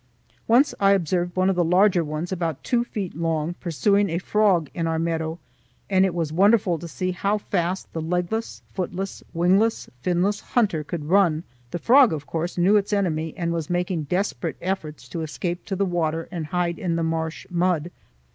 Once I observed one of the larger ones, about two feet long, pursuing a frog in our meadow, and it was wonderful to see how fast the legless, footless, wingless, finless hunter could run. The frog, of course, knew its enemy and was making desperate efforts to escape to the water and hide in the marsh mud.